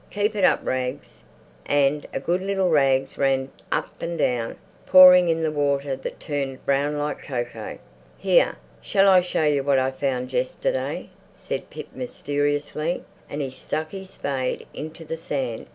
Keep it up, Rags." And good little Rags ran up and down, pouring in the water that turned brown like cocoa. "Here, shall I show you what I found yesterday?" said Pip mysteriously, and he stuck his spade into the sand.